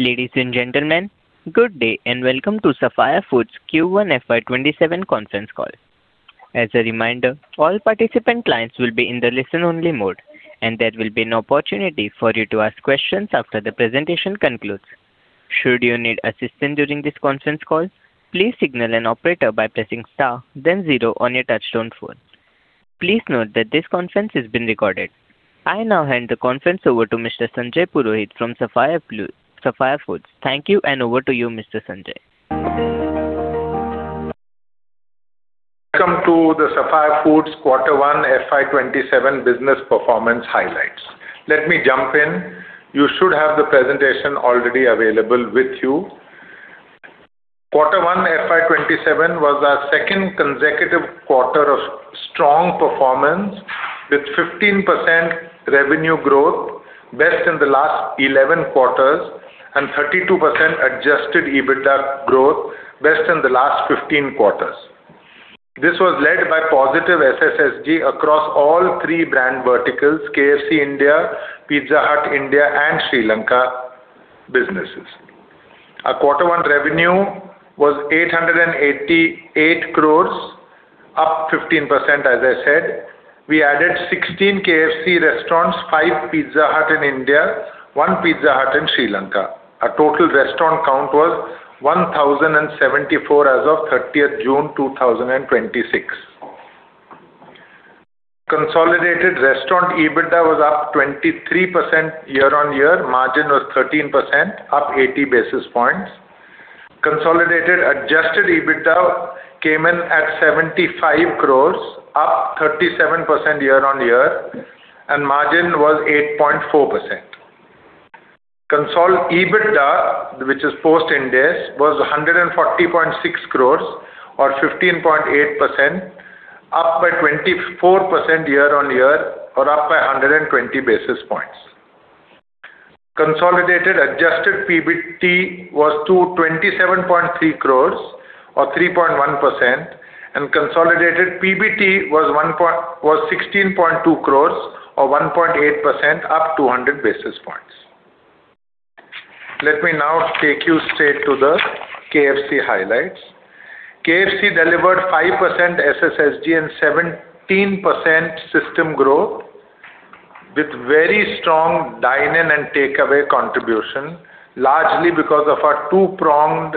Ladies and gentlemen, good day and welcome to Sapphire Foods Q1 FY 2027 conference call. As a reminder, all participant lines will be in the listen only mode and there will be an opportunity for you to ask questions after the presentation concludes. Should you need assistance during this conference call, please signal an operator by pressing star then zero on your touchtone phone. Please note that this conference is being recorded. I now hand the conference over to Mr. Sanjay Purohit from Sapphire Foods. Thank you, and over to you, Mr. Sanjay. Welcome to the Sapphire Foods quarter one FY 2027 business performance highlights. Let me jump in. You should have the presentation already available with you. Quarter one FY 2027 was our second consecutive quarter of strong performance with 15% revenue growth, best in the last 11 quarters, and 37% adjusted EBITDA growth, best in the last 15 quarters. This was led by positive SSSG across all three brand verticals, KFC India, Pizza Hut India, and Sri Lanka businesses. Our quarter one revenue was 888 crores, up 15%, as I said. We added 16 KFC restaurants, five Pizza Hut in India, one Pizza Hut in Sri Lanka. Our total restaurant count was 1,074 as of 30th June 2026. Consolidated restaurant EBITDA was up 23% year-on-year. Margin was 13%, up 80 basis points. Consolidated adjusted EBITDA came in at 75 crores, up 37% year-on-year, and margin was 8.4%. Consolidated EBITDA, which is post-Ind AS, was 140.6 crores or 15.8%, up by 24% year-on-year or up by 120 basis points. Consolidated adjusted PBT was 27.3 crores or 3.1%, and consolidated PBT was 16.2 crores or 1.8%, up 200 basis points. Let me now take you straight to the KFC highlights. KFC delivered 5% SSSG and 17% system growth with very strong dine-in and takeaway contribution, largely because of our two-pronged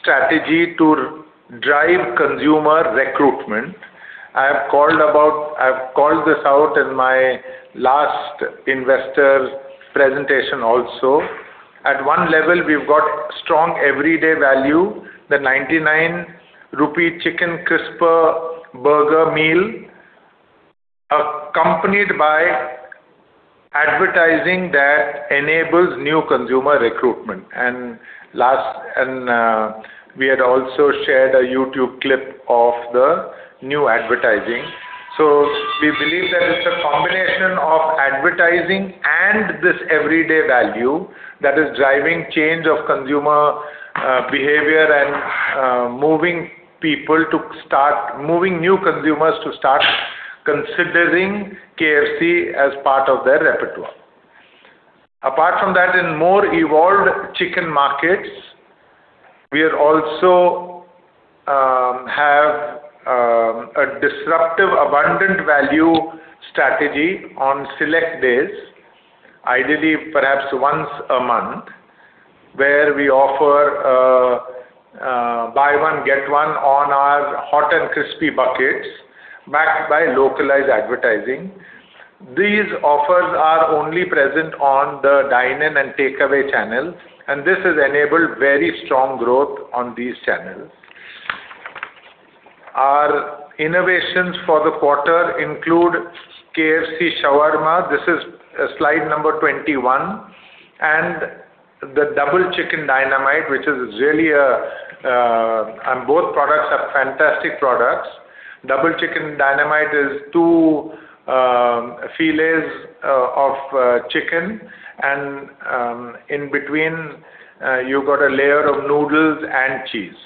strategy to drive consumer recruitment. I have called this out in my last investor presentation also. At one level, we've got strong everyday value, the 99 rupee chicken crisper burger meal, accompanied by advertising that enables new consumer recruitment. We had also shared a YouTube clip of the new advertising. We believe that it's a combination of advertising and this everyday value that is driving change of consumer behavior and moving new consumers to start considering KFC as part of their repertoire. Apart from that, in more evolved chicken markets, we also have a disruptive abundant value strategy on select days, ideally perhaps once a month, where we offer buy one get one on our hot and crispy buckets backed by localized advertising. These offers are only present on the dine-in and takeaway channels, and this has enabled very strong growth on these channels. Our innovations for the quarter include KFC Shawarma. This is slide number 21. The Double Chicken Dynamite. Both products are fantastic products. Double Chicken Dynamite is two fillets of chicken, and in between, you've got a layer of noodles and cheese.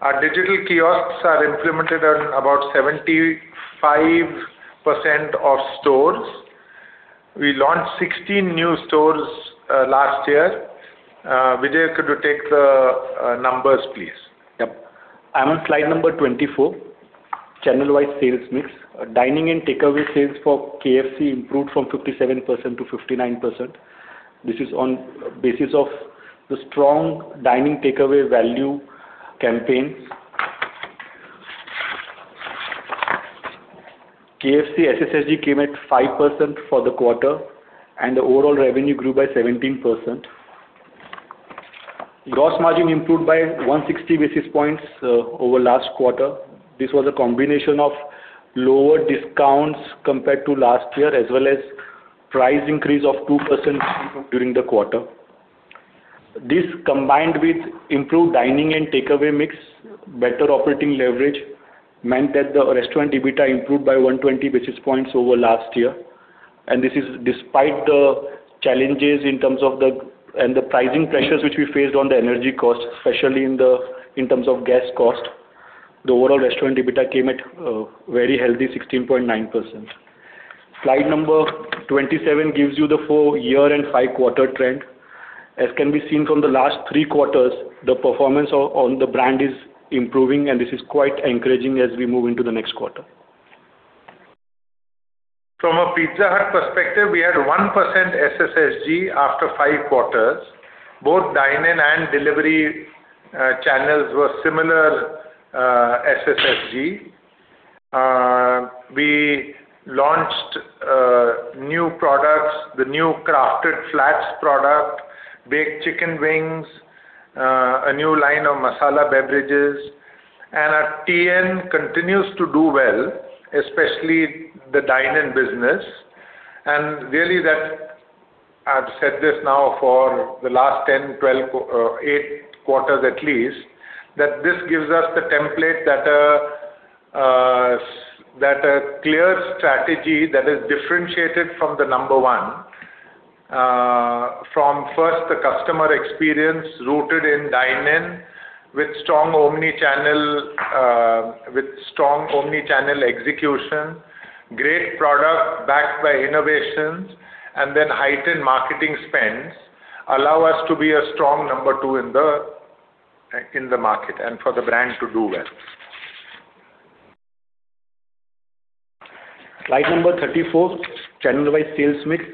Our digital kiosks are implemented in about 75% of stores. We launched 16 new stores last year. Vijay, could you take the numbers, please? Yep. I'm on slide number 24, channel-wide sales mix. Dining and takeaway sales for KFC improved from 57% to 59%. This is on basis of the strong dining takeaway value campaign. KFC SSSG came at 5% for the quarter. The overall revenue grew by 17%. Gross margin improved by 160 basis points over last quarter. This was a combination of lower discounts compared to last year, as well as price increase of 2% during the quarter. This, combined with improved dining and takeaway mix, better operating leverage, meant that the restaurant EBITDA improved by 120 basis points over last year. This is despite the challenges and the pricing pressures which we faced on the energy cost, especially in terms of gas cost. The overall restaurant EBITDA came at a very healthy 16.9%. Slide number 27 gives you the full year and five-quarter trend. As can be seen from the last three quarters, the performance on the brand is improving, and this is quite encouraging as we move into the next quarter. From a Pizza Hut perspective, we had 1% SSSG after five quarters. Both dine-in and delivery channels were similar SSSG. We launched new products, the new Crafted Flatzz product, baked chicken wings, a new line of masala beverages, and our [TN] continues to do well, especially the dine-in business. Really, I've said this now for the last eight quarters at least, that this gives us the template, that clear strategy that is differentiated from the number one. From first, the customer experience rooted in dine-in with strong omni-channel execution, great product backed by innovations, and then heightened marketing spends allow us to be a strong number two in the market and for the brand to do well. Slide number 34, channel-wide sales mix.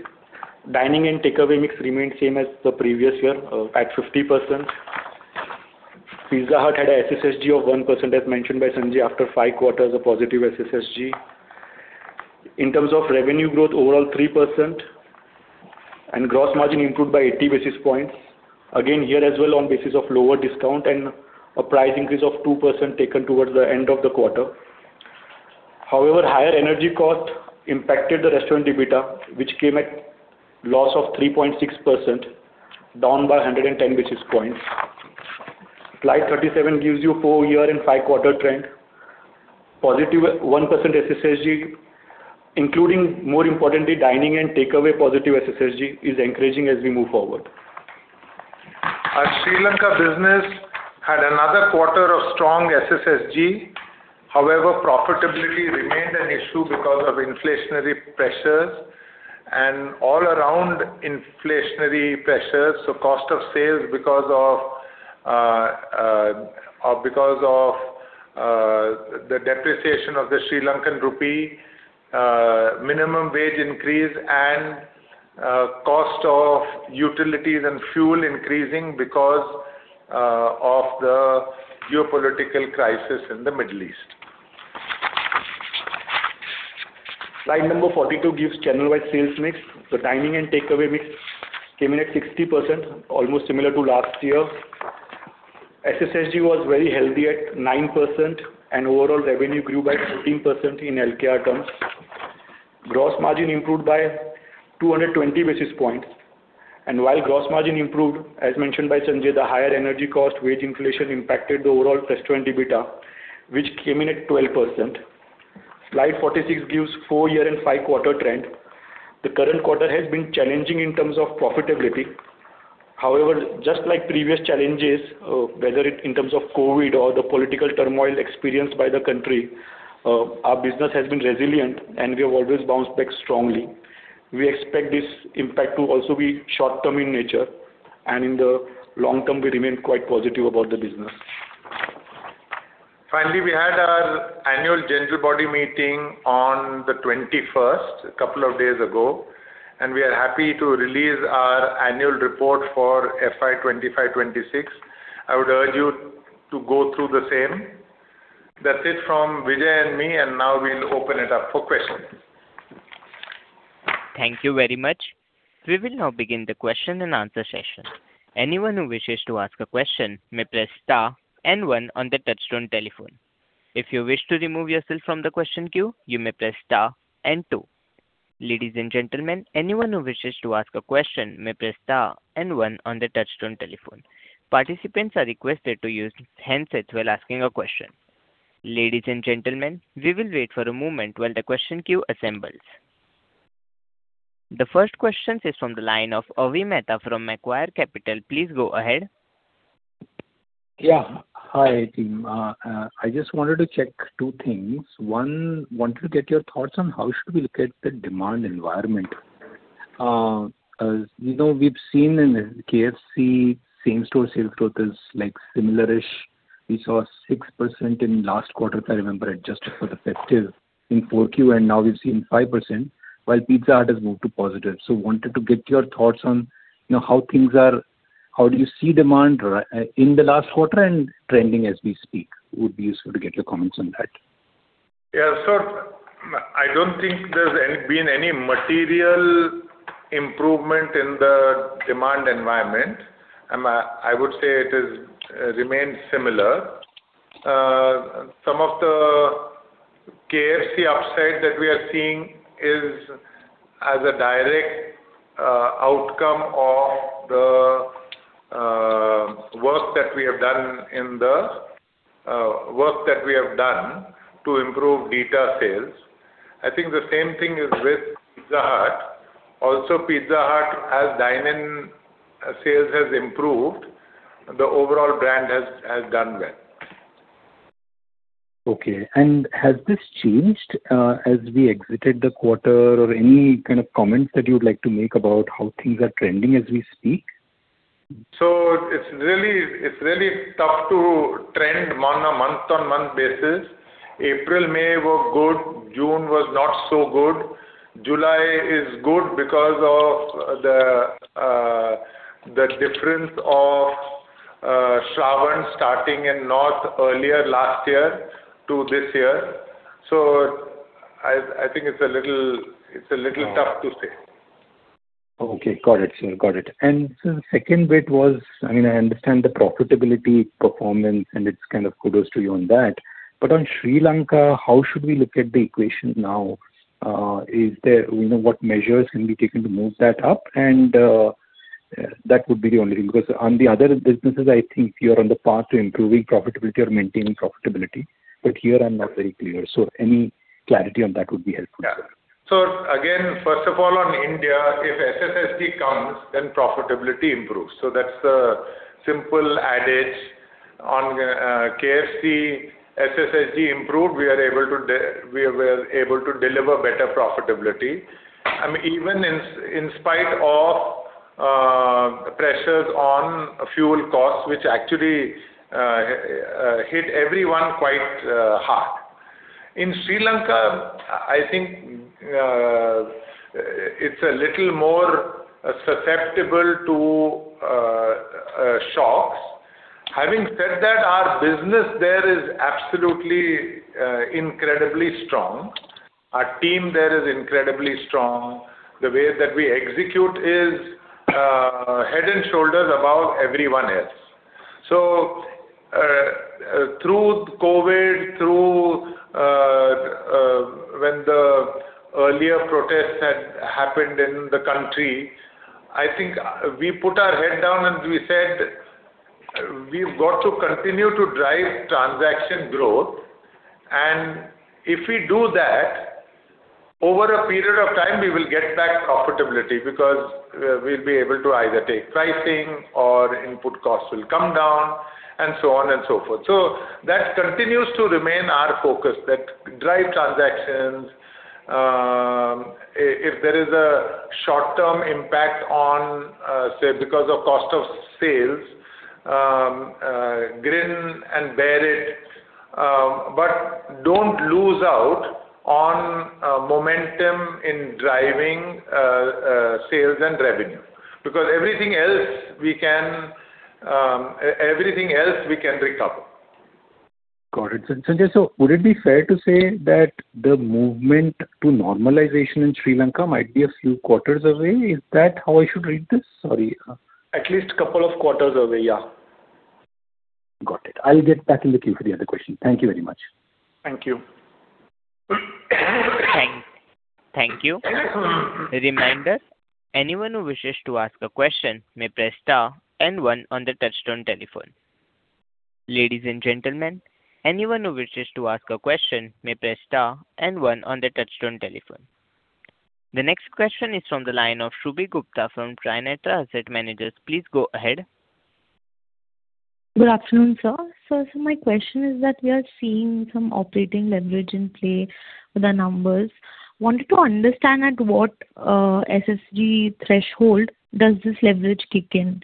Dine-in and takeaway mix remained same as the previous year at 50%. Pizza Hut had a SSSG of 1%, as mentioned by Sanjay, after five quarters of negative SSSG. In terms of revenue growth, overall 3%, and gross margin improved by 80 basis points. Again, here as well on basis of lower discount and a price increase of 2% taken towards the end of the quarter. However, higher energy cost impacted the restaurant EBITDA, which came at loss of 3.6%, down by 110 basis points. Slide 37 gives you full year and five-quarter trend. Positive 1% SSSG, including, more importantly, dine-in and takeaway positive SSSG, is encouraging as we move forward. Our Sri Lanka business had another quarter of strong SSSG. However, profitability remained an issue because of inflationary pressures and all around inflationary pressures. Cost of sales because of the depreciation of the Sri Lankan rupee, minimum wage increase, and cost of utilities and fuel increasing because of the geopolitical crisis in the Middle East. Slide number 42 gives channel-wide sales mix. The dine-in and takeaway mix came in at 60%, almost similar to last year. SSSG was very healthy at 9%, and overall revenue grew by 15% in LKR terms. Gross margin improved by 220 basis points. While gross margin improved, as mentioned by Sanjay, the higher energy cost, wage inflation impacted the overall restaurant EBITDA, which came in at 12%. Slide 46 gives full year and five-quarter trend. The current quarter has been challenging in terms of profitability. However, just like previous challenges, whether in terms of COVID or the political turmoil experienced by the country, our business has been resilient and we have always bounced back strongly. We expect this impact to also be short-term in nature and in the long term, we remain quite positive about the business. Finally, we had our annual general body meeting on the 21st, a couple of days ago, and we are happy to release our annual report for FY 2025/2026. I would urge you to go through the same. That's it from Vijay and me, now we'll open it up for questions. Thank you very much. We will now begin the question-and-answer session. Anyone who wishes to ask a question may press star and one on the touchtone telephone. If you wish to remove yourself from the question queue, you may press star and two. Ladies and gentlemen, anyone who wishes to ask a question may press star and one on the touchtone telephone. Participants are requested to use handsets while asking a question. Ladies and gentlemen, we will wait for a moment while the question queue assembles. The first question is from the line of Avi Mehta from Macquarie Capital. Please go ahead. Yeah. Hi, team. I just wanted to check two things. One, wanted to get your thoughts on how should we look at the demand environment. As we know, we've seen in KFC, same-store sales growth is similar-ish. We saw 6% in last quarter, if I remember it, adjusted for the festive in 4Q, and now we've seen 5%, while Pizza Hut has moved to positive. Wanted to get your thoughts on how things are, how do you see demand in the last quarter and trending as we speak. Would be useful to get your comments on that. Yeah. I don't think there's been any material improvement in the demand environment. I would say it remains similar. Some of the KFC upside that we are seeing is as a direct outcome of the work that we have done to improve beta. I think the same thing is with Pizza Hut. Pizza Hut, as dine-in sales has improved, the overall brand has done well. Okay. Has this changed as we exited the quarter? Any kind of comments that you'd like to make about how things are trending as we speak? It's really tough to trend on a month-on-month basis. April, May were good. June was not so good. July is good because of the difference of Shravan starting in north earlier last year to this year. I think it's a little tough to say. Okay. Got it. Second bit was, I understand the profitability performance, and it's kind of kudos to you on that. On Sri Lanka, how should we look at the equation now? What measures can be taken to move that up? That would be the only thing, because on the other businesses, I think you're on the path to improving profitability or maintaining profitability. Here I'm not very clear. Any clarity on that would be helpful. Yeah. Again, first of all, on India, if SSSG comes, then profitability improves. That's the simple adage. On KFC, SSSG improved. We were able to deliver better profitability, even in spite of pressures on fuel costs, which actually hit everyone quite hard. In Sri Lanka, I think it's a little more susceptible to shocks. Having said that, our business there is absolutely incredibly strong. Our team there is incredibly strong. The way that we execute is head and shoulders above everyone else. Through COVID, through when the earlier protests had happened in the country, I think we put our head down and we said we've got to continue to drive transaction growth, and if we do that, over a period of time, we will get back profitability because we'll be able to either take pricing or input costs will come down, and so on and so forth. That continues to remain our focus, that drive transactions. If there is a short-term impact on, say, because of cost of sales, grin and bear it, but don't lose out on momentum in driving sales and revenue, because everything else we can recover. Got it. Sanjay, would it be fair to say that the movement to normalization in Sri Lanka might be a few quarters away? Is that how I should read this? Sorry. At least a couple of quarters away, yeah. Got it. I'll get back in the queue for the other question. Thank you very much. Thank you. Thank you. Reminder, anyone who wishes to ask a question may press star and one on the touchtone telephone. Ladies and gentlemen, anyone who wishes to ask a question may press star and one on the touchtone telephone. The next question is from the line of Shubhi Gupta from Trinetra Asset Managers. Please go ahead. Good afternoon, sir. My question is that we are seeing some operating leverage in play with the numbers. Wanted to understand at what SSSG threshold does this leverage kick in,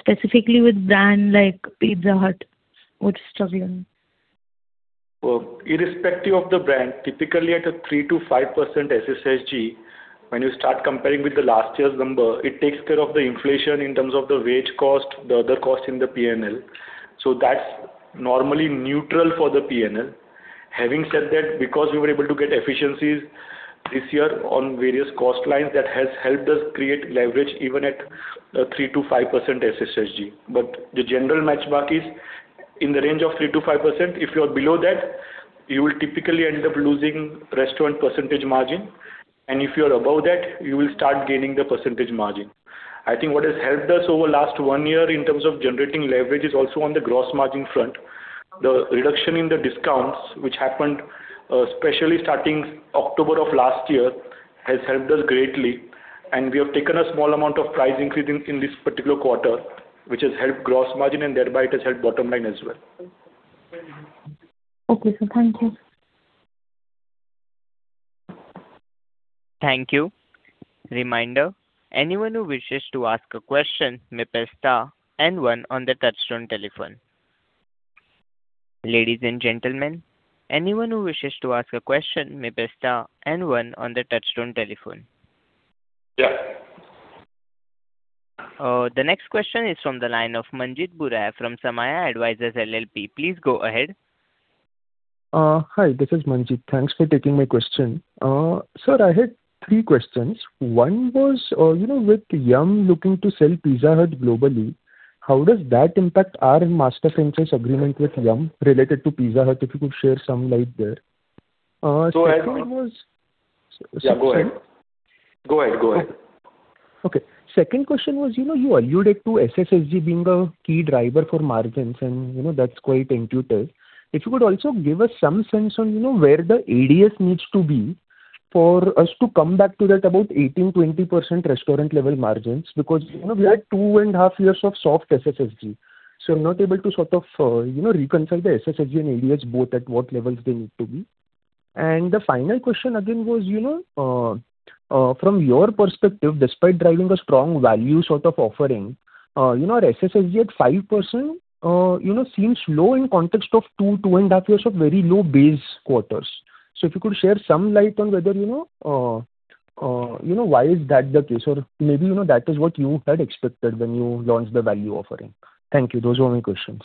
specifically with brand like Pizza Hut, which is struggling. Irrespective of the brand, typically at a 3%-5% SSSG, when you start comparing with the last year's number, it takes care of the inflation in terms of the wage cost, the other cost in the P&L. That's normally neutral for the P&L. Having said that, because we were able to get efficiencies this year on various cost lines, that has helped us create leverage even at 3%-5% SSSG. The general match mark is in the range of 3%-5%. If you are below that, you will typically end up losing restaurant percentage margin, and if you are above that, you will start gaining the percentage margin. I think what has helped us over last one year in terms of generating leverage is also on the gross margin front. The reduction in the discounts, which happened especially starting October of last year, has helped us greatly, and we have taken a small amount of price increase in this particular quarter, which has helped gross margin and thereby it has helped bottom line as well. Okay, sir. Thank you. Thank you. Reminder, anyone who wishes to ask a question may press star and one on the touchtone telephone. Ladies and gentlemen, anyone who wishes to ask a question may press star and one on the touchtone telephone. Yeah. The next question is from the line of Manjit Bhura from Samaya Advisors LLP. Please go ahead. Hi, this is Manjit. Thanks for taking my question. Sir, I had three questions. One was, with Yum! looking to sell Pizza Hut globally, how does that impact our master franchise agreement with Yum! related to Pizza Hut? If you could share some light there. Yeah, go ahead. Okay. Second question was, you alluded to SSSG being a key driver for margins, and that's quite intuitive. If you could also give us some sense on where the ADS needs to be For us to come back to that about 18%-20% restaurant level margins because we had two and a half years of soft SSSG. I'm not able to sort of reconcile the SSSG and ADS both at what levels they need to be. The final question again was, from your perspective, despite driving a strong value sort of offering, our SSSG at 5%, seems low in context of two and a half years of very low base quarters. If you could share some light on whether, why is that the case? Or maybe that is what you had expected when you launched the value offering. Thank you. Those were my questions.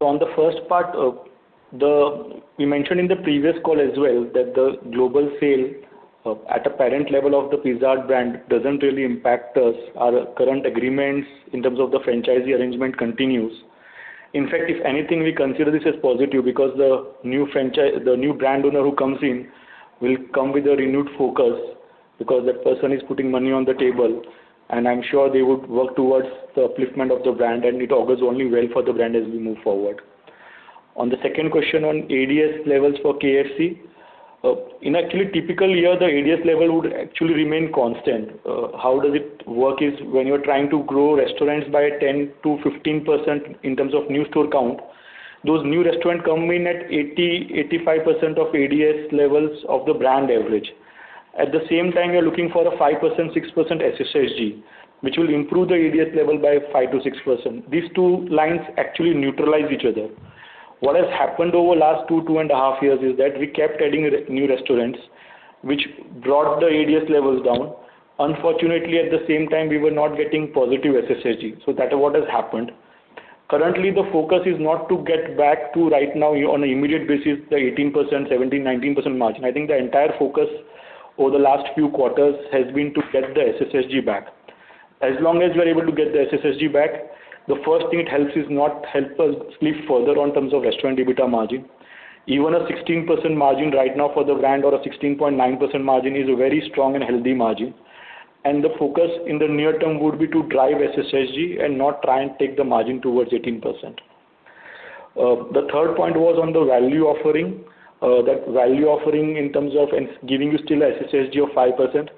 On the first part, we mentioned in the previous call as well that the global sale at a parent level of the Pizza Hut brand doesn't really impact us. Our current agreements in terms of the franchise arrangement continues. In fact, if anything, we consider this as positive because the new brand owner who comes in will come with a renewed focus because that person is putting money on the table, and I'm sure they would work towards the upliftment of the brand and it augurs only well for the brand as we move forward. On the second question on ADS levels for KFC. In actually a typical year, the ADS level would actually remain constant. How does it work is when you're trying to grow restaurants by 10%-15% in terms of new store count, those new restaurants come in at 80%, 85% of ADS levels of the brand average. At the same time, we are looking for a 5%, 6% SSSG, which will improve the ADS level by 5%-6%. These two lines actually neutralize each other. What has happened over the last two and a half years is that we kept adding new restaurants, which brought the ADS levels down. Unfortunately, at the same time, we were not getting positive SSSG. That is what has happened. Currently, the focus is not to get back to right now on an immediate basis, the 18%, 17%, 19% margin. I think the entire focus over the last few quarters has been to get the SSSG back. As long as we're able to get the SSSG back, the first thing it helps is not help us slip further on terms of restaurant EBITDA margin. Even a 16% margin right now for the brand or a 16.9% margin is a very strong and healthy margin. The focus in the near term would be to drive SSSG and not try and take the margin towards 18%. The third point was on the value offering. That value offering in terms of giving you still a SSSG of 5%.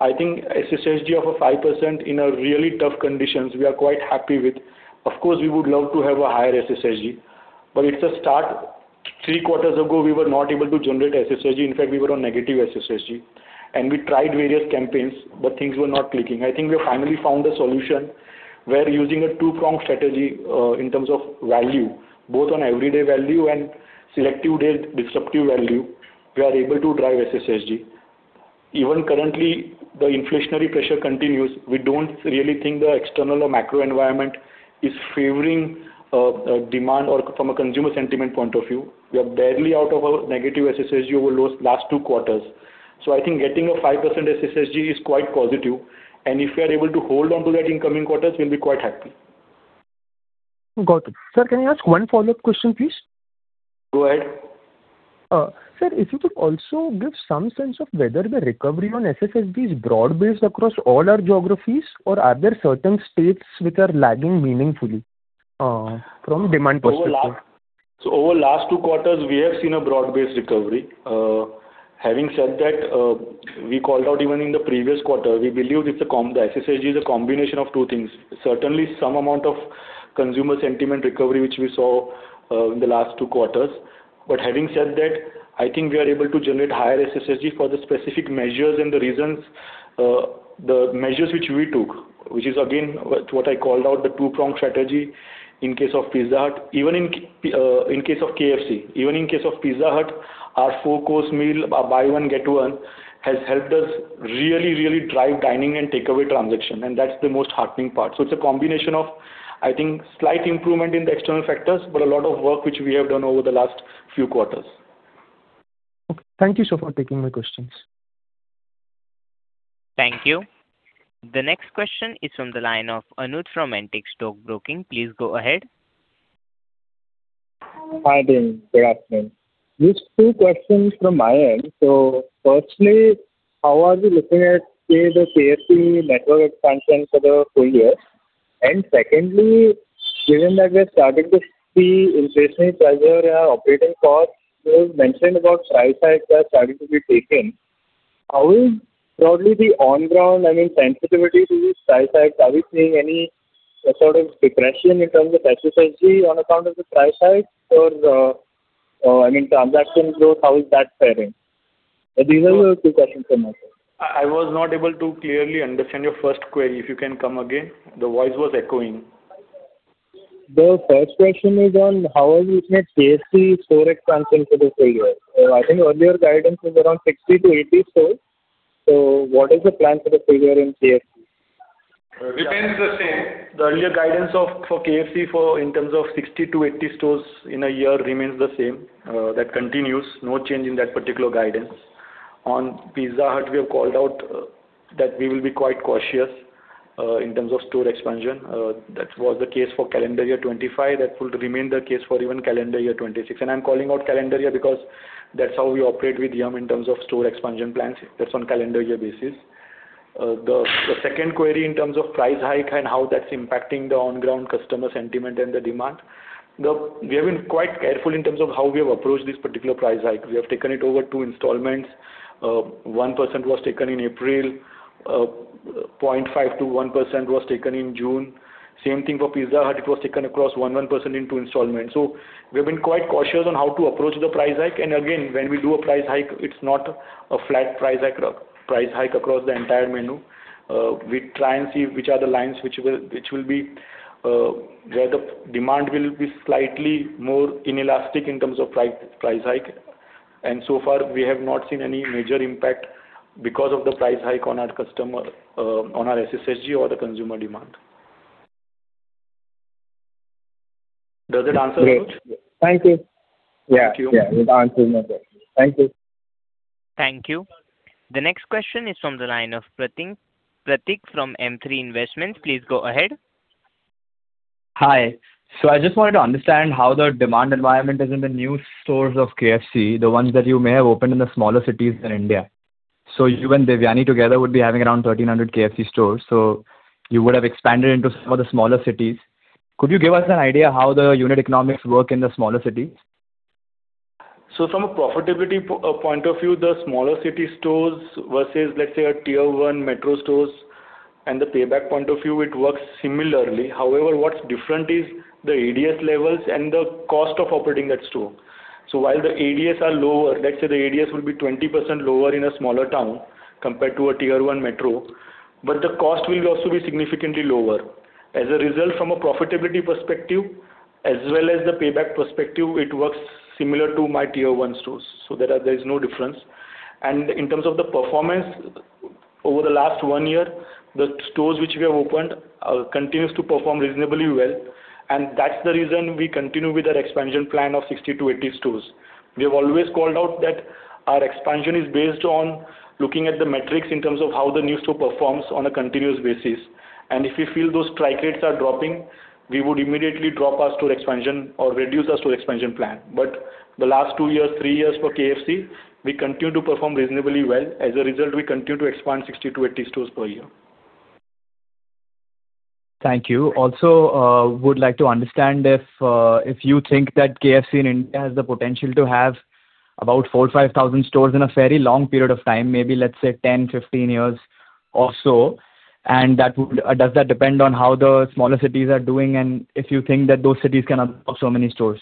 I think SSSG of a 5% in a really tough conditions, we are quite happy with. Of course, we would love to have a higher SSSG, but it's a start. Three quarters ago, we were not able to generate SSSG. In fact, we were on negative SSSG. We tried various campaigns, but things were not clicking. I think we have finally found a solution where using a two-pronged strategy, in terms of value, both on everyday value and selective day disruptive value, we are able to drive SSSG. Even currently, the inflationary pressure continues. We don't really think the external or macro environment is favoring demand or from a consumer sentiment point of view. We are barely out of our negative SSSG over those last two quarters. I think getting a 5% SSSG is quite positive, and if we are able to hold on to that in coming quarters, we'll be quite happy. Got it. Sir, can I ask one follow-up question, please? Go ahead. Sir, if you could also give some sense of whether the recovery on SSSG is broad-based across all our geographies or are there certain states which are lagging meaningfully from demand perspective? Over the last two quarters, we have seen a broad-based recovery. Having said that, we called out even in the previous quarter, we believe the SSSG is a combination of two things. Certainly, some amount of consumer sentiment recovery, which we saw in the last two quarters. Having said that, I think we are able to generate higher SSSG for the specific measures and the reasons. The measures which we took, which is again what I called out the two-pronged strategy in case of Pizza Hut, even in case of KFC. Even in case of Pizza Hut, our four-course meal, buy one get one, has helped us really drive dining and takeaway transaction, and that's the most heartening part. It's a combination of, I think, slight improvement in the external factors, but a lot of work which we have done over the last few quarters. Okay. Thank you, sir, for taking my questions. Thank you. The next question is from the line of Anuj from Antique Stock Broking. Please go ahead. Hi, team. Good afternoon. Just two questions from my end. Firstly, how are you looking at, say, the KFC network expansion for the full year? Secondly, given that we are starting to see inflationary pressure and our operating cost, you have mentioned about price hikes that are starting to be taken. How is probably the on ground, I mean, sensitivity to these price hikes? Are we seeing any sort of depression in terms of SSSG on account of the price hikes or, I mean, transaction growth? How is that faring? These are the two questions from my side. I was not able to clearly understand your first query. If you can come again. The voice was echoing. The first question is on how are you looking at KFC store expansion for the full year? I think earlier guidance was around 60-80 stores. What is the plan for the full year in KFC? Remains the same. The earlier guidance for KFC in terms of 60-80 stores in a year remains the same. That continues. No change in that particular guidance. On Pizza Hut, we have called out that we will be quite cautious in terms of store expansion. That was the case for calendar year 2025. That will remain the case for even calendar year 2026. I'm calling out calendar year because that's how we operate with Yum! in terms of store expansion plans. That's on calendar year basis. The second query in terms of price hike and how that's impacting the on-ground customer sentiment and the demand. We have been quite careful in terms of how we have approached this particular price hike. We have taken it over two installments. 1% was taken in April, 0.5%-1% was taken in June. Same thing for Pizza Hut. It was taken across 1% in two installments. We have been quite cautious on how to approach the price hike. Again, when we do a price hike, it's not a flat price hike across the entire menu. We try and see which are the lines where the demand will be slightly more inelastic in terms of price hike. So far, we have not seen any major impact because of the price hike on our customer, on our SSSG or the consumer demand. Does that answer it? Great. Thank you. Thank you. Yeah, it answers my question. Thank you. Thank you. The next question is from the line of Pratik. Pratik from M3 Investment. Please go ahead. Hi. I just wanted to understand how the demand environment is in the new stores of KFC, the ones that you may have opened in the smaller cities in India. You and Devyani together would be having around 1,300 KFC stores. You would have expanded into some of the smaller cities. Could you give us an idea how the unit economics work in the smaller cities? From a profitability point of view, the smaller city stores versus, let's say, a Tier 1 metro stores and the payback point of view, it works similarly. However, what's different is the ADS levels and the cost of operating that store. While the ADS are lower, let's say the ADS will be 20% lower in a smaller town compared to a Tier 1 metro, but the cost will also be significantly lower. As a result, from a profitability perspective, as well as the payback perspective, it works similar to my Tier 1 stores. There is no difference. And in terms of the performance, over the last one year, the stores which we have opened continues to perform reasonably well, and that's the reason we continue with our expansion plan of 60-80 stores. We have always called out that our expansion is based on looking at the metrics in terms of how the new store performs on a continuous basis. If we feel those run rates are dropping, we would immediately drop our store expansion or reduce our store expansion plan. The last two years, three years for KFC, we continue to perform reasonably well. As a result, we continue to expand 60-80 stores per year. Thank you. Also, would like to understand if you think that KFC in India has the potential to have about 4,000-5,000 stores in a very long period of time, maybe let's say 10-15 years or so. Does that depend on how the smaller cities are doing and if you think that those cities can absorb so many stores?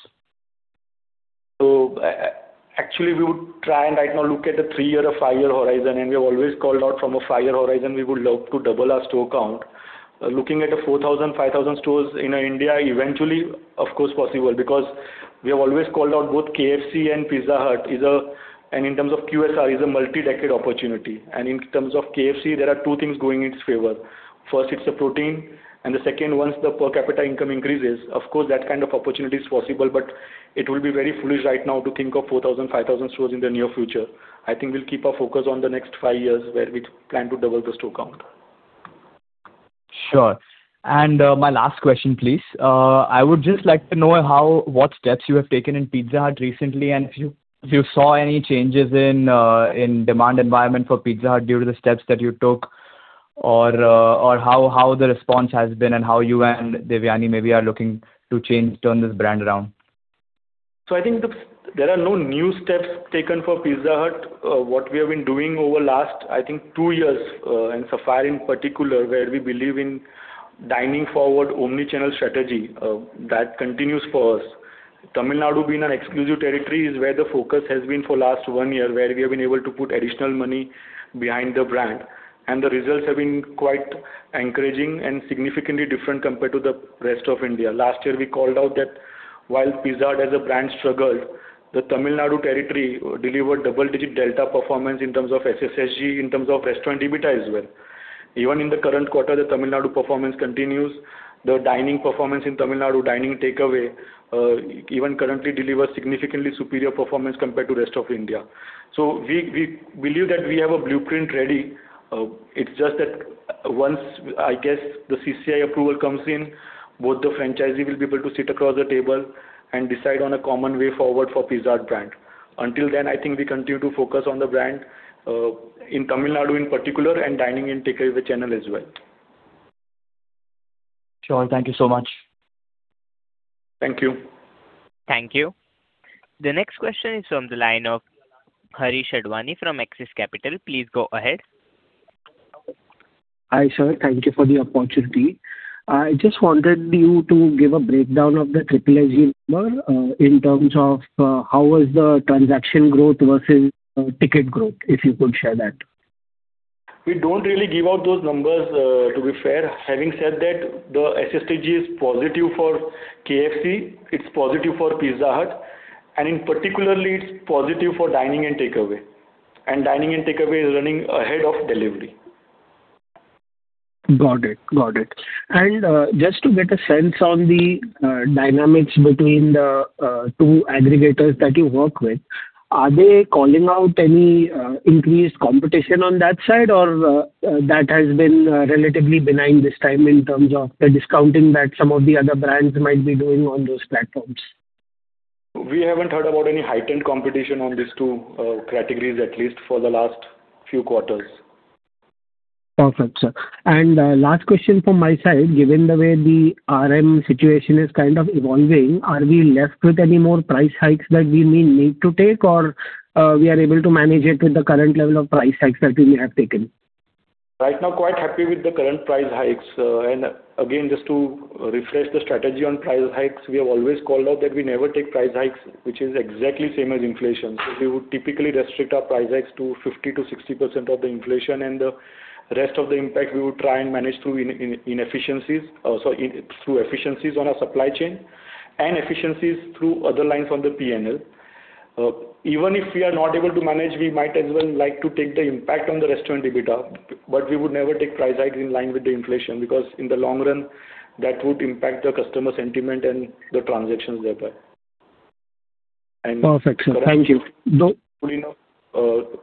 Actually, we would try and right now look at a three-year or five-year horizon, and we have always called out from a five-year horizon, we would love to double our store count. Looking at a 4,000-5,000 stores in India, eventually, of course possible because we have always called out both KFC and Pizza Hut, and in terms of QSR, is a multi-decade opportunity. In terms of KFC, there are two things going in its favor. First, it's a protein, and the second, once the per capita income increases, of course, that kind of opportunity is possible, but it will be very foolish right now to think of 4,000-5,000 stores in the near future. I think we'll keep our focus on the next five years where we plan to double the store count. Sure. My last question, please. I would just like to know what steps you have taken in Pizza Hut recently, and if you saw any changes in demand environment for Pizza Hut due to the steps that you took, or how the response has been and how you and Devyani maybe are looking to change, turn this brand around. I think there are no new steps taken for Pizza Hut. What we have been doing over last, I think two years, and Sapphire in particular, where we believe in dining forward omni-channel strategy, that continues for us. Tamil Nadu being an exclusive territory is where the focus has been for last one year, where we have been able to put additional money behind the brand, and the results have been quite encouraging and significantly different compared to the rest of India. Last year, we called out that while Pizza Hut as a brand struggled, the Tamil Nadu territory delivered double-digit delta performance in terms of SSSG, in terms of restaurant EBITDA as well. Even in the current quarter, the Tamil Nadu performance continues. The dining performance in Tamil Nadu, dining takeaway, even currently delivers significantly superior performance compared to rest of India. We believe that we have a blueprint ready. It's just that once, I guess, the CCI approval comes in, both the franchisee will be able to sit across the table and decide on a common way forward for Pizza Hut brand. Until then, I think we continue to focus on the brand in Tamil Nadu in particular and dining and takeaway channel as well. Sure. Thank you so much. Thank you. Thank you. The next question is from the line of Harish Advani from Axis Capital. Please go ahead. Hi, sir. Thank you for the opportunity. I just wanted you to give a breakdown of the SSG number in terms of how was the transaction growth versus ticket growth, if you could share that. We don't really give out those numbers, to be fair. Having said that, the SSG is positive for KFC, it's positive for Pizza Hut, in particular, it's positive for dining and takeaway. Dining and takeaway is running ahead of delivery. Got it. Just to get a sense on the dynamics between the two aggregators that you work with, are they calling out any increased competition on that side, or that has been relatively benign this time in terms of the discounting that some of the other brands might be doing on those platforms? We haven't heard about any heightened competition on these two categories, at least for the last few quarters. Perfect, sir. Last question from my side. Given the way the RM situation is kind of evolving, are we left with any more price hikes that we may need to take, or we are able to manage it with the current level of price hikes that we have taken? Right now, quite happy with the current price hikes. Again, just to refresh the strategy on price hikes, we have always called out that we never take price hikes, which is exactly same as inflation. We would typically restrict our price hikes to 50%-60% of the inflation and the rest of the impact we would try and manage through efficiencies on our supply chain and efficiencies through other lines on the P&L. Even if we are not able to manage, we might as well like to take the impact on the restaurant EBITDA, we would never take price hike in line with the inflation because in the long run, that would impact the customer sentiment and the transactions thereby. Perfect, sir. Thank you.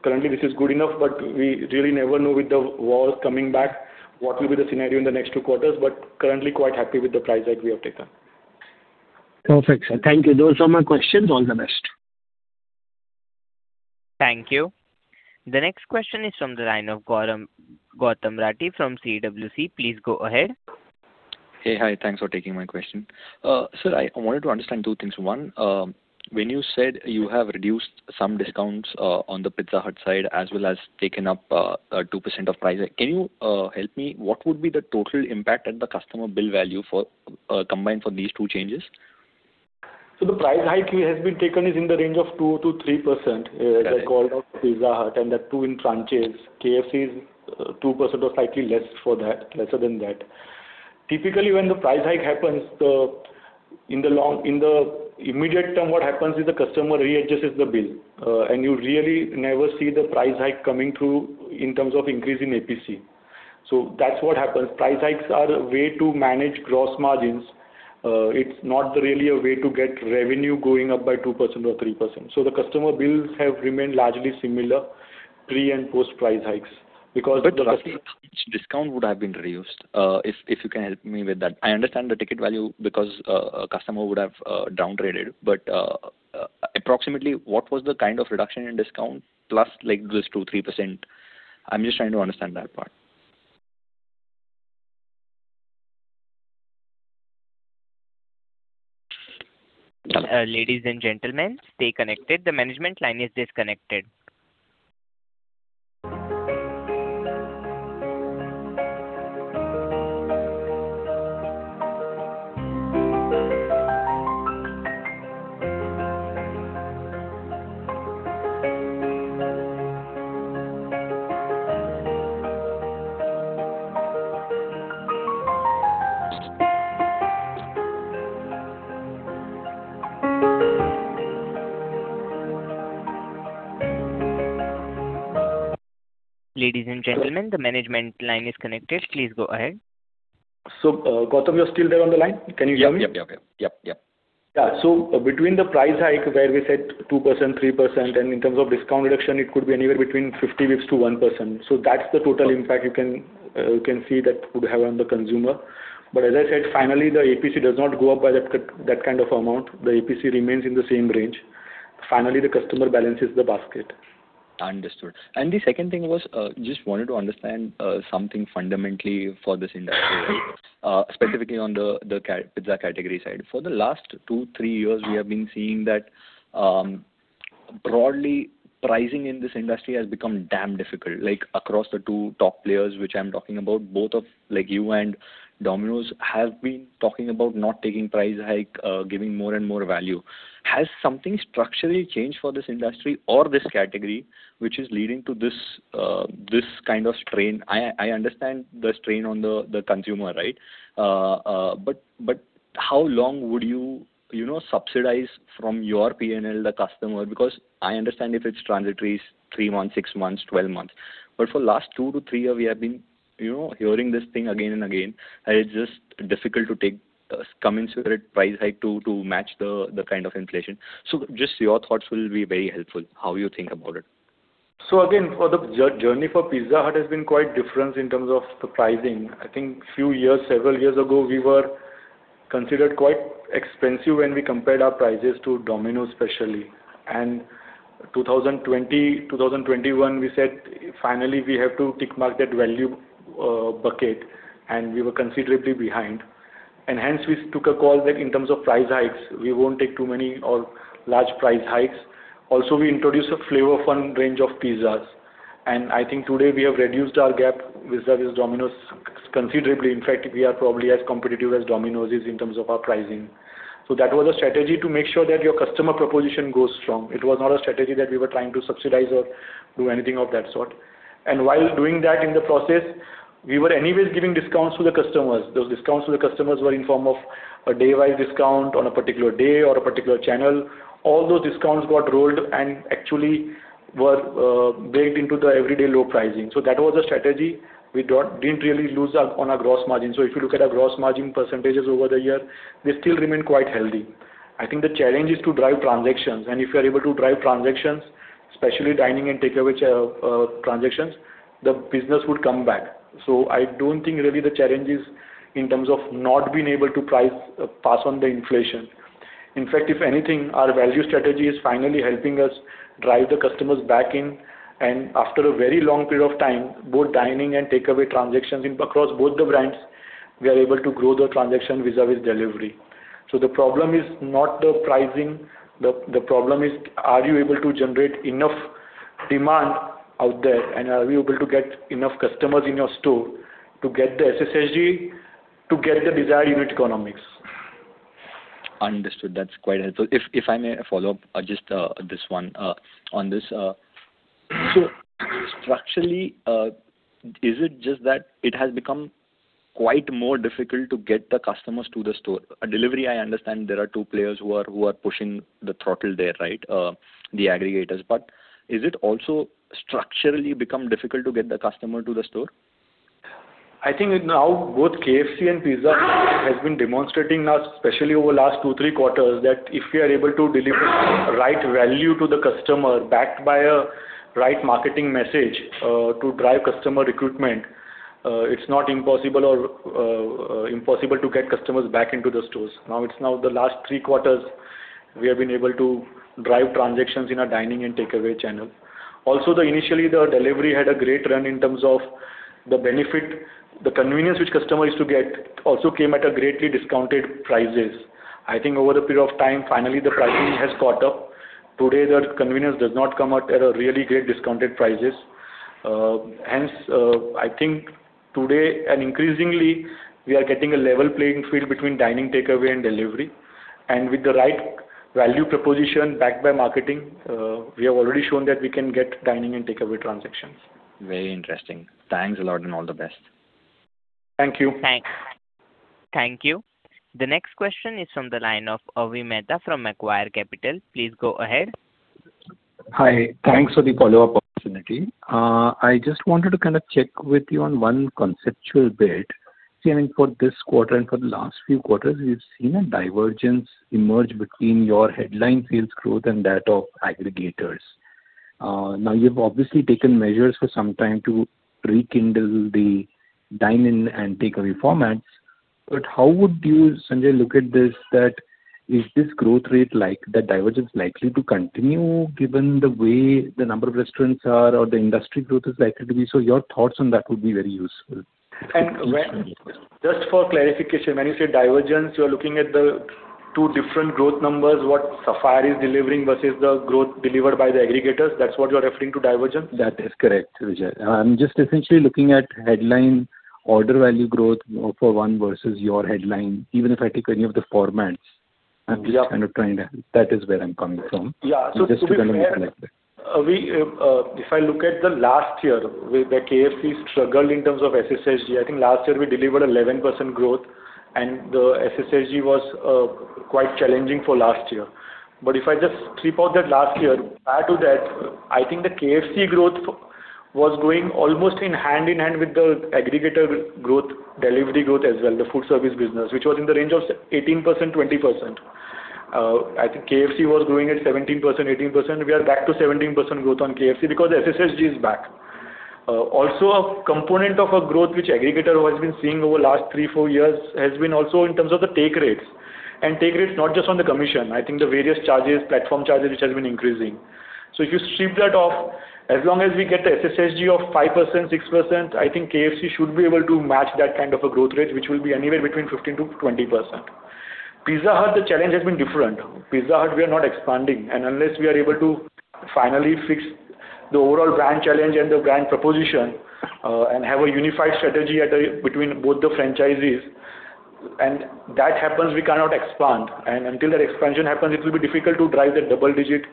Currently, this is good enough, but we really never know with the wars coming back, what will be the scenario in the next two quarters, but currently quite happy with the price hike we have taken. Perfect, sir. Thank you. Those are my questions. All the best. Thank you. The next question is from the line of Gautam Rathi from CWC. Please go ahead. Hey. Hi. Thanks for taking my question. Sir, I wanted to understand two things. One, when you said you have reduced some discounts on the Pizza Hut side as well as taken up 2% of price hike. Can you help me? What would be the total impact at the customer bill value combined for these two changes? The price hike has been taken is in the range of 2%-3%, as I called out Pizza Hut, and that too in branches. KFC is 2% or slightly lesser than that. Typically, when the price hike happens, in the immediate term, what happens is the customer readjusts the bill. You really never see the price hike coming through in terms of increase in APC. That's what happens. Price hikes are a way to manage gross margins. It's not really a way to get revenue going up by 2% or 3%. The customer bills have remained largely similar pre and post price hikes because- The discount would have been reduced. If you can help me with that. I understand the ticket value because a customer would have down-traded, but approximately what was the kind of reduction in discount plus like this 2%, 3%? I'm just trying to understand that part. Ladies and gentlemen, stay connected. The management line is disconnected. Ladies and gentlemen, the management line is connected. Please go ahead. Gautam, you're still there on the line. Can you hear me? Yep. Yeah. Between the price hike where we said 2%-3%, and in terms of discount reduction, it could be anywhere between 50 basis points to 1%. That's the total impact you can see that would have on the consumer. As I said, finally, the APC does not go up by that kind of amount. The APC remains in the same range. Finally, the customer balances the basket. Understood. The second thing was, just wanted to understand something fundamentally for this industry, specifically on the Pizza category side. For the last two, three years, we have been seeing that broadly, pricing in this industry has become damn difficult. Like across the two top players, which I'm talking about, both of you and Domino's have been talking about not taking price hike, giving more and more value. Has something structurally changed for this industry or this category, which is leading to this kind of strain? I understand the strain on the consumer. How long would you subsidize from your P&L the customer? Because I understand if it's transitory, it's three months, six months, 12 months. For last two to three years, we have been hearing this thing again and again. It's just difficult to take commensurate price hike to match the kind of inflation. Just your thoughts will be very helpful, how you think about it. Again, for the journey for Pizza Hut has been quite different in terms of the pricing. I think several years ago, we were considered quite expensive when we compared our prices to Domino's especially. 2020, 2021, we said, finally, we have to tick mark that value bucket, we were considerably behind. Hence we took a call that in terms of price hikes, we won't take too many or large price hikes. Also we introduced a Flavour Fun range of pizzas, I think today we have reduced our gap vis-à-vis Domino's considerably. In fact, we are probably as competitive as Domino's is in terms of our pricing. That was a strategy to make sure that your customer proposition goes strong. It was not a strategy that we were trying to subsidize or do anything of that sort. While doing that in the process, we were anyway giving discounts to the customers. Those discounts to the customers were in form of a day-wise discount on a particular day or a particular channel. All those discounts got rolled and actually were baked into the everyday low pricing. That was a strategy. We didn't really lose on our gross margin. If you look at our gross margin percentage over the year, they still remain quite healthy. I think the challenge is to drive transactions, and if you're able to drive transactions, especially dining and takeaway transactions, the business would come back. I don't think really the challenge is in terms of not being able to pass on the inflation. In fact, if anything, our value strategy is finally helping us drive the customers back in, and after a very long period of time, both dining and takeaway transactions across both the brands, we are able to grow the transaction vis-a-vis delivery. The problem is not the pricing. The problem is, are you able to generate enough demand out there, and are you able to get enough customers in your store to get the SSSG to get the desired unit economics? Understood. That's quite helpful. If I may follow up just this one on this. Structurally, is it just that it has become quite more difficult to get the customers to the store? Delivery, I understand there are two players who are pushing the throttle there, right? The aggregators. Is it also structurally become difficult to get the customer to the store? I think now both KFC and Pizza Hut has been demonstrating now, especially over last two, three quarters, that if we are able to deliver the right value to the customer, backed by a right marketing message to drive customer recruitment, it's not impossible to get customers back into the stores. Now, it's now the last three quarters we have been able to drive transactions in our dining and takeaway channel. Also, initially the delivery had a great run in terms of the benefit. The convenience which customer used to get also came at a greatly discounted prices. I think over the period of time, finally the pricing has caught up. Today, the convenience does not come at a really great discounted prices. I think today and increasingly, we are getting a level playing field between dining, takeaway, and delivery. With the right value proposition backed by marketing, we have already shown that we can get dining and takeaway transactions. Very interesting. Thanks a lot. All the best. Thank you. Thank you. The next question is from the line of Avi Mehta from Macquarie Capital. Please go ahead. Hi. Thanks for the follow-up opportunity. I just wanted to check with you on one conceptual bit. For this quarter and for the last few quarters, we've seen a divergence emerge between your headline sales growth and that of aggregators. You've obviously taken measures for some time to rekindle the dine-in and takeaway formats. How would you, Sanjay, look at this, that is this growth rate, the divergence likely to continue given the way the number of restaurants are or the industry growth is likely to be? Your thoughts on that would be very useful. Just for clarification, when you say divergence, you're looking at the two different growth numbers, what Sapphire is delivering versus the growth delivered by the aggregators? That's what you're referring to divergence? That is correct, Vijay. I'm just essentially looking at headline order value growth for one versus your headline. Even if I take any of the formats. Yeah I'm trying to. That is where I'm coming from. Yeah. Just to kind of connect it. If I look at the last year, where the KFC struggled in terms of SSSG, I think last year we delivered 11% growth and the SSSG was quite challenging for last year. If I just strip out that last year, prior to that, I think the KFC growth was growing almost in hand in hand with the aggregator growth, delivery growth as well, the food service business, which was in the range of 18%-20%. I think KFC was growing at 17%-18%. We are back to 17% growth on KFC because the SSSG is back. Also, a component of a growth which aggregator has been seeing over last three, four years has been also in terms of the take rates. Take rates not just on the commission, I think the various charges, platform charges, which has been increasing. If you strip that off, as long as we get the SSSG of 5%-6%, I think KFC should be able to match that kind of a growth rate, which will be anywhere between 15%-20%. Pizza Hut, the challenge has been different. Pizza Hut, we are not expanding, and unless we are able to finally fix the overall brand challenge and the brand proposition and have a unified strategy between both the franchisees, and that happens, we cannot expand. Until that expansion happens, it will be difficult to drive the double-digit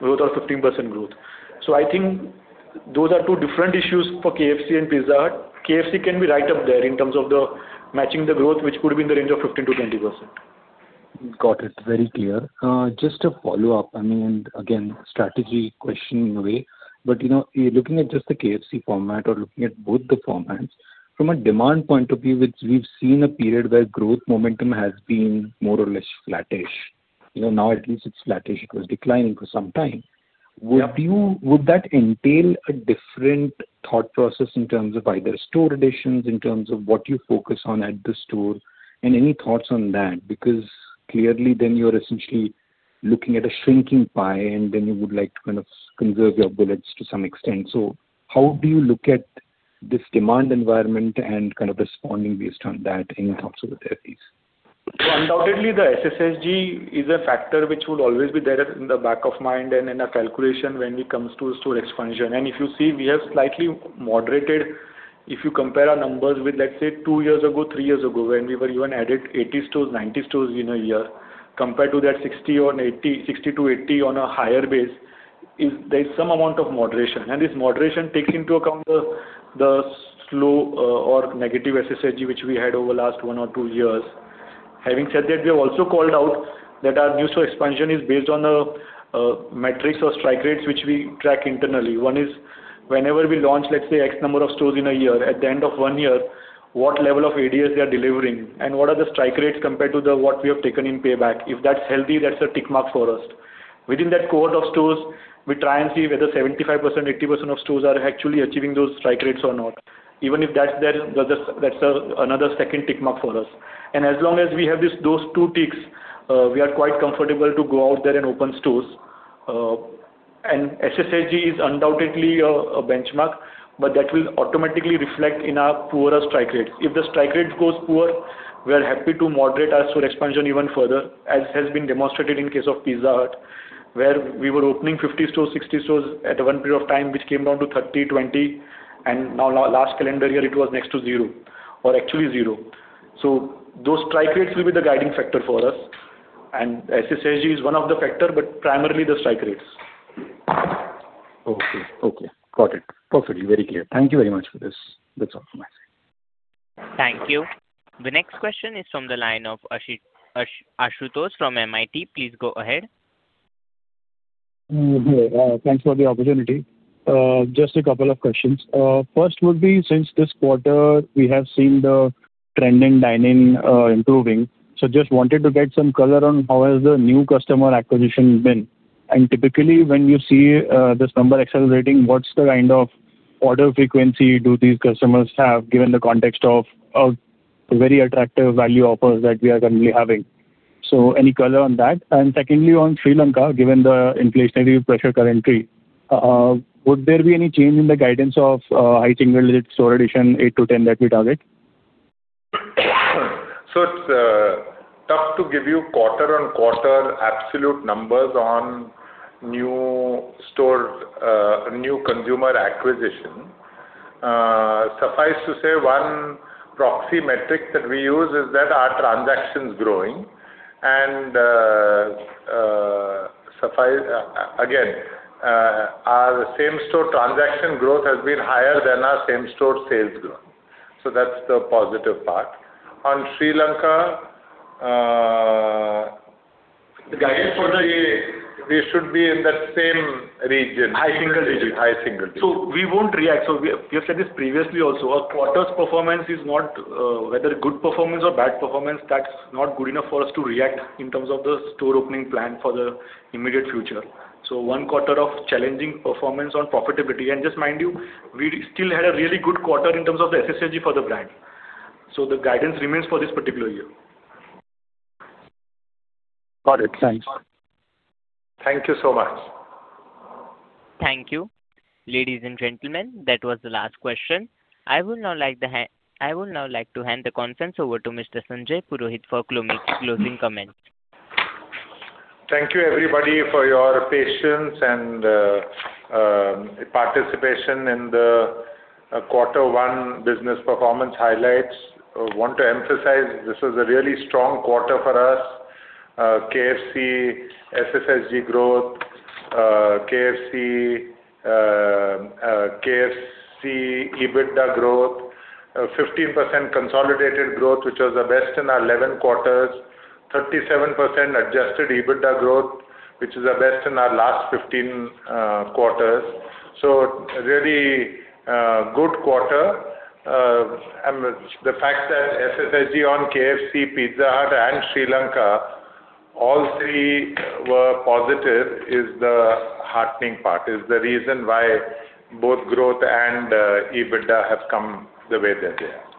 growth or 15% growth. I think those are two different issues for KFC and Pizza Hut. KFC can be right up there in terms of the matching the growth, which could be in the range of 15%-20%. Got it. Very clear. Just a follow-up, again, strategy question in a way, but looking at just the KFC format or looking at both the formats, from a demand point of view, which we've seen a period where growth momentum has been more or less flattish. Now at least it's flattish. It was declining for some time. Yep. Would that entail a different thought process in terms of either store additions, in terms of what you focus on at the store, any thoughts on that? Clearly then you're essentially looking at a shrinking pie, you would like to conserve your bullets to some extent. How do you look at this demand environment and responding based on that in terms of the therapies? Undoubtedly, the SSSG is a factor which would always be there in the back of mind and in our calculation when it comes to store expansion. If you see, we have slightly moderated, if you compare our numbers with, let's say, two years ago, three years ago, when we were even added 80 stores, 90 stores in a year, compared to that 60-80 on a higher base, there's some amount of moderation. This moderation takes into account the slow or negative SSSG which we had over last one or two years. Having said that, we have also called out that our new store expansion is based on a metrics or strike rates which we track internally. One is whenever we launch, let's say, x number of stores in a year, at the end of one year What level of ADS they are delivering, what are the strike rates compared to what we have taken in payback. If that's healthy, that's a tick mark for us. Within that cohort of stores, we try and see whether 75%, 80% of stores are actually achieving those strike rates or not. Even if that's there, that's another second tick mark for us. As long as we have those two ticks, we are quite comfortable to go out there and open stores. SSSG is undoubtedly a benchmark, that will automatically reflect in our poorer strike rates. If the strike rate goes poor, we are happy to moderate our store expansion even further, as has been demonstrated in case of Pizza Hut, where we were opening 50 stores, 60 stores at one period of time, which came down to 30, 20, and now last calendar year, it was next to zero or actually zero. Those strike rates will be the guiding factor for us. SSSG is one of the factor, but primarily the strike rates. Okay. Got it. Perfectly. Very clear. Thank you very much for this. That's all from my side. Thank you. The next question is from the line of Ashutosh from MIT. Please go ahead. Thanks for the opportunity. Just a couple of questions. First would be, since this quarter we have seen the trending dining improving. Just wanted to get some color on how has the new customer acquisition been. Typically, when you see this number accelerating, what's the kind of order frequency do these customers have, given the context of a very attractive value offers that we are currently having? Any color on that? Secondly, on Sri Lanka, given the inflationary pressure currently, would there be any change in the guidance of high single digit store addition 8-10 that we target? It's tough to give you quarter-on-quarter absolute numbers on new consumer acquisition. Suffice to say, one proxy metric that we use is that our transaction's growing and, again, our same-store transaction growth has been higher than our same-store sales growth. That's the positive part. On Sri Lanka, we should be in that same region. High single digits. High single digits. We won't react. We have said this previously also. A quarter's performance, whether good performance or bad performance, that's not good enough for us to react in terms of the store opening plan for the immediate future. One quarter of challenging performance on profitability. Just mind you, we still had a really good quarter in terms of the SSSG for the brand. The guidance remains for this particular year. Got it. Thanks. Thank you so much. Thank you. Ladies and gentlemen, that was the last question. I would now like to hand the conference over to Mr. Sanjay Purohit for closing comments. Thank you everybody for your patience and participation in the quarter one business performance highlights. Want to emphasize this was a really strong quarter for us. KFC SSSG growth, KFC EBITDA growth, 15% consolidated growth, which was the best in our 11 quarters, 37% adjusted EBITDA growth, which is the best in our last 15 quarters. A really good quarter. The fact that SSSG on KFC, Pizza Hut, and Sri Lanka, all three were positive is the heartening part, is the reason why both growth and EBITDA have come the way that they are.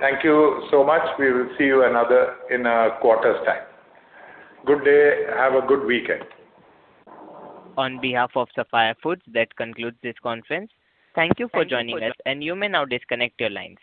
Thank you so much. We will see you another in a quarter's time. Good day. Have a good weekend. On behalf of Sapphire Foods, that concludes this conference. Thank you for joining us, and you may now disconnect your lines.